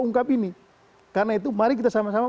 ungkap ini karena itu mari kita sama sama